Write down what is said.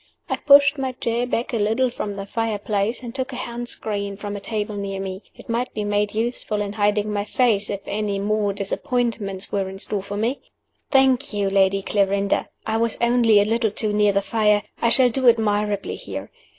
I pushed my chair back a little from the fire place, and took a hand screen from a table near me; it might be made useful in hiding my face, if any more disappointments were in store for me. "Thank you, Lady Clarinda; I was only a little too near the fire. I shall do admirably here.